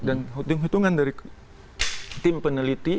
dan hitung hitungan dari tim peneliti